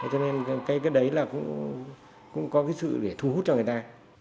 cho nên cái đấy là cũng có cái sự để thu hút cho người ta